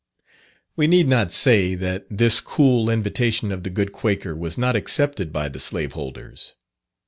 We need not say that this cool invitation of the good Quaker was not accepted by the slaveholders.